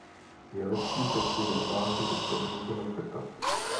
Je lepší pečlivě zvážit, kde můžeme škrtat.